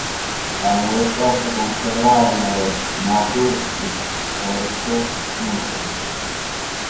La muestra se conserva en el Natur-Historisches Museum.